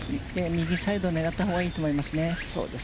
右サイドを狙ったほうがいいと思いますね。